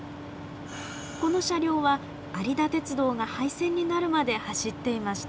この車両は有田鉄道が廃線になるまで走っていました。